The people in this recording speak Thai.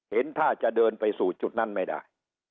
เห็นท่าจะเดินไปสู่จุดนั้นไม่ได้